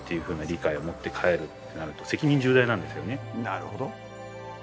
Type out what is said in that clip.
なるほど。